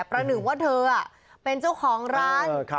หนึ่งว่าเธอเป็นเจ้าของร้าน